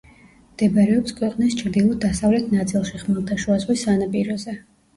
მდებარეობს ქვეყნის ჩრდილო-დასავლეთ ნაწილში, ხმელთაშუა ზღვის სანაპიროზე.